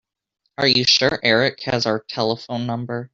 Are you sure Erik has our telephone number?